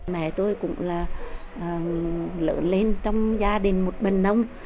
mẹ tôi cũng là lớn lên trong gia đình một bàn nông